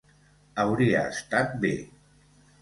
Hauria estat bé.